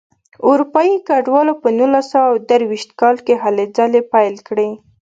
اروپایي کډوالو په نولس سوه درویشت کال کې هلې ځلې پیل کړې.